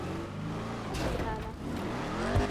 ما كلّ هذا؟